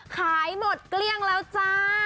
ขายหมดเกลี้ยงแล้วจ้า